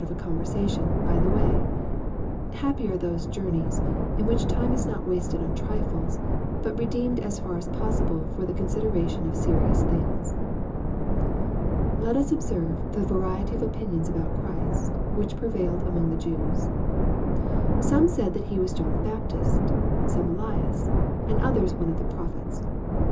of a conversation " by the way." Happy are those journeys, in which time is not wasted on trifles, but redeemed as far as possible for the consideration of serious things. Let us observe the variety of opinions about Christ, which prevailed among the Jews. Some said that He was John the Baptist some Elias and others one of the prophets.